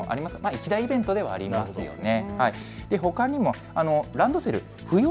一大イベントでもありますよね。